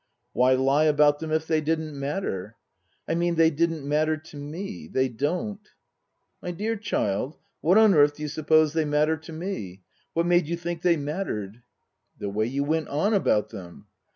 " Why lie about them if they didn't matter ?"" I mean they didn't matter to me. They don't." " My dear child, what on earth do you suppose they matter to me ? What made you think they mattered ?"" The way you went on about them."